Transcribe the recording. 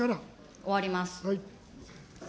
終わります。